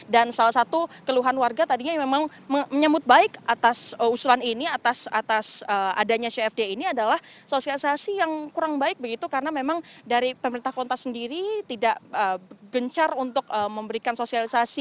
dan salah satu keluhan warga tadinya memang menyemut baik atas usulan ini atas adanya cfd ini adalah sosialisasi yang kurang baik begitu karena memang dari pemerintah kontas sendiri tidak gencar untuk memberikan sosialisasi